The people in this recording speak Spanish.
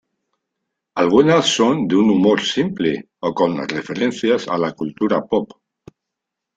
Algunas son de un humor simple o con referencias a la cultura pop.